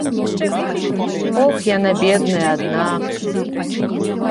Ох, яна, бедная, адна.